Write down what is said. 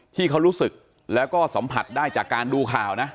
ที่เขารู้สึกแล้วก็สัมผัสได้จากการดูข่าวนะ